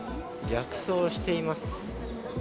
逆走しています。